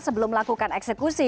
sebelum melakukan eksekusi